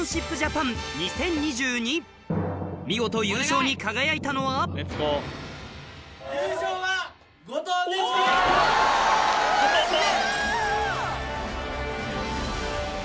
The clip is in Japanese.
見事優勝に輝いたのはやったぜ！